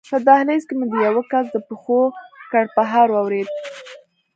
په دهلېز کې مې د یوه کس د پښو کړپهار واورېد.